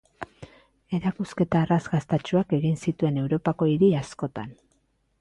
Erakusketa arrakastatsuak egin zituen Europako hiri askotan.